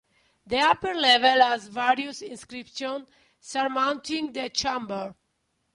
The upper level has various inscriptions surmounting the chamber.